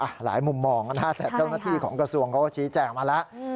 หลายมุมมองนะฮะแต่เจ้าหน้าที่ของกระทรวงเขาก็ชี้แจงมาแล้ว